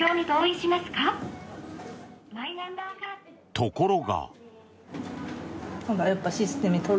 ところが。